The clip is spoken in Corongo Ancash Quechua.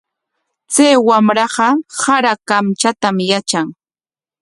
Chay wamraqa sara kamchatam yatran.